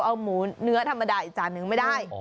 เอาหมูเนื้อธรรมดาอีกจานนึงไม่ได้